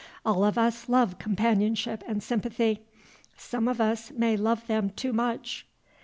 All of us love companionship and sympathy; some of us may love them too much.